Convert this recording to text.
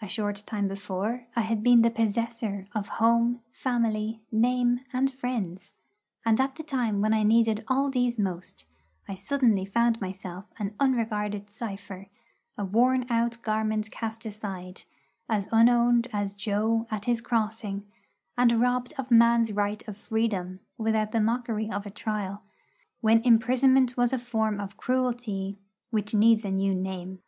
A short time before, I had been the possessor of home, family, name, and friends; and at the time when I needed all these most, I suddenly found myself an unregarded cipher, a worn out garment cast aside, as unowned as 'Jo' at his crossing, and robbed of man's right of freedom without the mockery of a trial, when imprisonment was a form of cruelty which needs a new name.